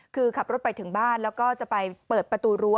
คือขับรถไปถึงบ้านแล้วก็จะไปเปิดประตูรั้ว